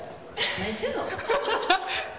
・何してんの？